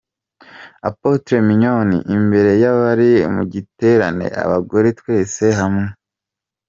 Apotre Mignonne imbere y'abari mu giterane 'Abagore twese hamwe'.